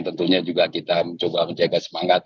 dan tentunya juga kita mencoba menjaga semangat